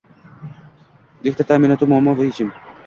Elektr ta’minoti: muammo va yechim